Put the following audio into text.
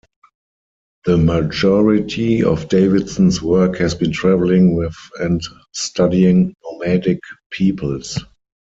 The majority of Davidson's work has been travelling with and studying nomadic peoples.